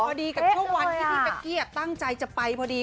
พอดีกับช่วงวันที่พี่เป๊กกี้ตั้งใจจะไปพอดี